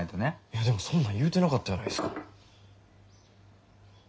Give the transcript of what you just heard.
いやでもそんなん言うてなかったやないですか。